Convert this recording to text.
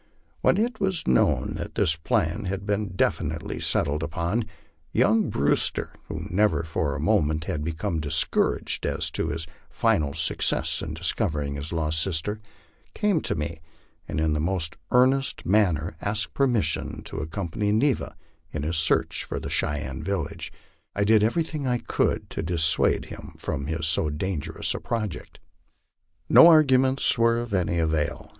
When it was known that this plan had been definitely settled upon, young Brewster, who never for a moment had become discouraged as to his final suc cess in discovering his lost sister, came to me, and in the most earnest manner asked permission to accompany Neva in his search for the Cheyenne village. I did everything I could to dissuade him from so dangerous a project. No arguments were of any avail.